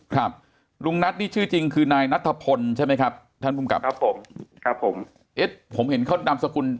ครับลุงนัทนี่ชื่อจริงคือนายนัทพลใช่ไหมครับท่านภูมิกับครับผมครับผมเอ๊ะผมเห็นเขานามสกุล